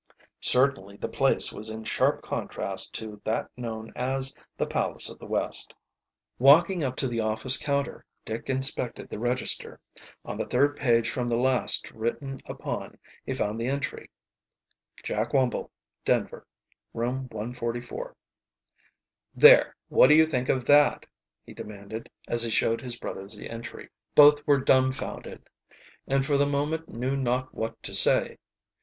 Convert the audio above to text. Certainly the place was in sharp contrast to that known as the "Palace of the West." Walking up to the office counter Dick inspected the register. On the third page from the last written upon he found the entry: "Jack Wumble, Denver; Room 144." "There, what do you think of that?" he demanded, as he showed his brothers the entry. Both were dumfounded, and for the moment knew not what to say.